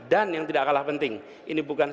dan yang tidak kalah penting ini bukan